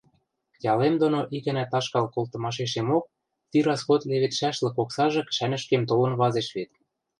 Ялем доно икӓнӓ ташкал колтымашешемок ти расход леведшӓшлык оксажы кӹшӓнӹшкем толын вазеш вет.